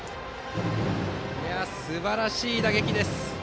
すばらしい打撃です。